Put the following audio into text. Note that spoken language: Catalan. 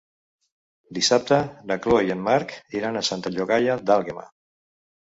Dissabte na Chloé i en Marc iran a Santa Llogaia d'Àlguema.